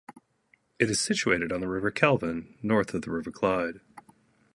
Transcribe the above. It is situated on the River Kelvin, north of the River Clyde.